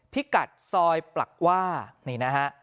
พิกัดซอยปลักว่านี่นะฮะ